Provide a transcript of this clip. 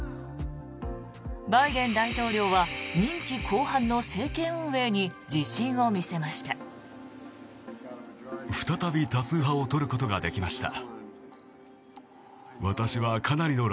バイデン大統領は任期後半の政権運営に自信を見せました。